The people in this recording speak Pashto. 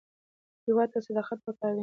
هېواد ته صداقت پکار دی